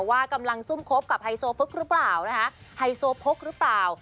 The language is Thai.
ว่ากำลังซุ่มคบกับไฮโซพึกหรือเปล่านะคะไฮโซพกหรือเปล่า